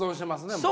もう。